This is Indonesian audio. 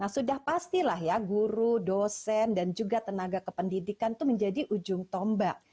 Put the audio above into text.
sudah pastilah ya guru dosen dan juga tenaga kependidikan itu menjadi ujung tombak